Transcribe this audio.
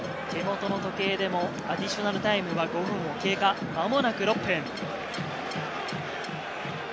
手元の時計でもアディショナルタイムは５分を経過、間もなく６分。